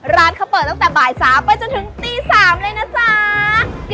ร้านเขาเปิดตั้งแต่บ่าย๓ไปจนถึงตี๓เลยนะจ๊ะ